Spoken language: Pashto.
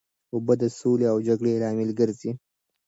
اوبه د سولې او جګړې لامل ګرځي.